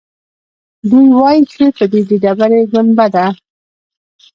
دوی وایيچېرته چې د ډبرې ګنبده ده.